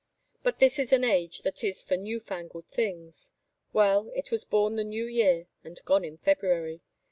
But this is an age that is for new fangled things. Well, it was bom the New Year and gone in February.